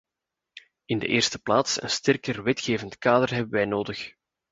In de eerste plaats een sterker wetgevend kader hebben wij nodig.